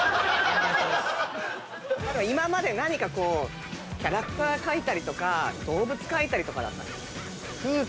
今まで何かこうキャラクター描いたりとか動物描いたりとかだった。